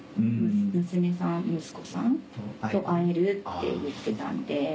娘さん息子さんと会えるって言ってたので。